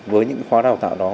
với những khóa đào tạo đó